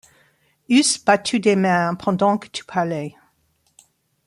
Eussent battu des mains pendant que tu parlais.